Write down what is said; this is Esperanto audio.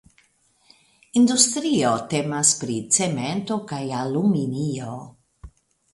Industrio temas pri cemento kaj aluminio.